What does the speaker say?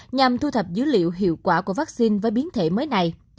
nhằm thu thập dữ liệu hiệu quả của vaccine với biến thể mới này